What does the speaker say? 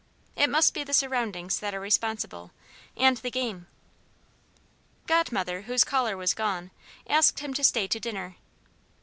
"It must be the surroundings that are responsible and the game." Godmother, whose caller was gone, asked him to stay to dinner.